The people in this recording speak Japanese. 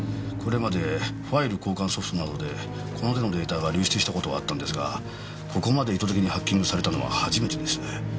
これまでファイル交換ソフトなどでこの手のデータが流出した事はあったんですがここまで意図的にハッキングされたのは初めてです。